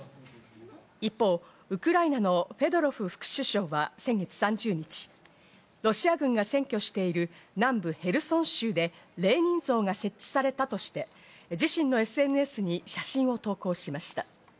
一方、ウクライナのフェドロフ副首相は先月３０日、ロシア軍が占拠している南部ヘルソン州でレーニン像が設置されたとして、自身のＳＮＳに写真を投稿しました。